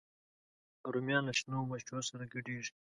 رومیان له شنو مرچو سره ګډېږي